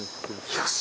よし！